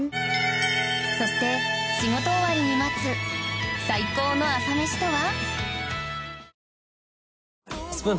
そして仕事終わりに待つ最高の朝メシとは？